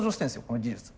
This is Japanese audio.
この技術。